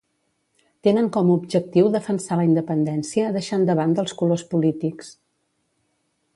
Tenen com objectiu defensar la independència, deixant de banda els colors polítics